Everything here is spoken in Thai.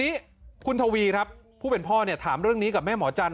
ทีนี้คุณทวีครับผู้เป็นพ่อเนี่ยถามเรื่องนี้กับแม่หมอจันท